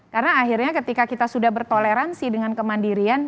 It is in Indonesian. karena akhirnya ketika kita sudah bertoleransi dengan kemandirian